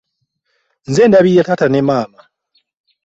Nze ndabirira taata ne maama.